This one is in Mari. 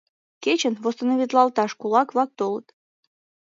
Кечын восстановитлалташ кулак-влак толыт.